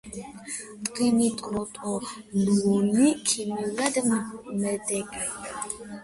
ტრინიტროტოლუოლი ქიმიურად მედეგია.